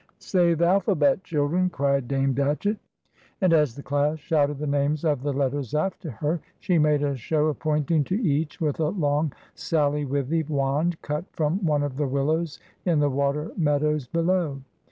"Say th' alphabet, childern!" cried Dame Datchett; and as the class shouted the names of the letters after her, she made a show of pointing to each with a long "sallywithy" wand cut from one of the willows in the water meadows below.